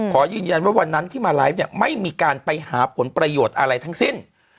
ขอยืนยันว่าวันนั้นที่มาไลฟ์เนี่ยไม่มีการไปหาผลประโยชน์อะไรทั้งสิ้น